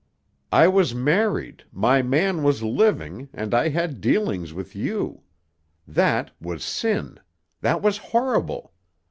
I was married, my man was living, and I had dealings with you. That was sin. That was horrible.